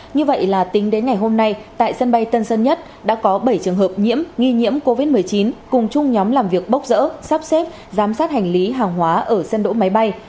như vậy là tính đến ngày hôm nay tại sân bay tân sơn nhất đã có bảy trường hợp nhiễm nghi nhiễm covid một mươi chín cùng chung nhóm làm việc bốc rỡ sắp xếp giám sát hành lý hàng hóa ở sân đỗ máy bay